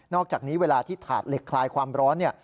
อกจากนี้เวลาที่ถาดเหล็กคลายความร้อนเนี่ย